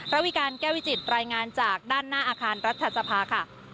ระวิการแก้วิจิตรายงานจากด้านหน้าอาคารรัฐสภาค่ะ